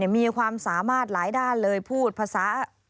มีความสามารถหลายด้านเลยพูดภาษา